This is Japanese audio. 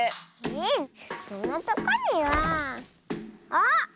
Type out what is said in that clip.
えそんなとこにはあっ！